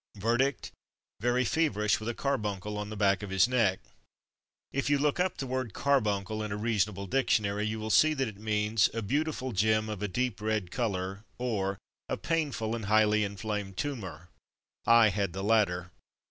Verdict: "Very feverish, with a carbuncle on the back of his neck. " If you look up the word carbuncle in a reasonable dictionary you will see that it 128 From Mud to Mufti means — "A beautiful gem of a deep red colour''; or^ — "A painful and highly in flamed tumour. '' I had the latter.